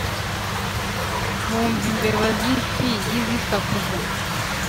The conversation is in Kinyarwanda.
Bumva imbeba z'ifigi zisakuza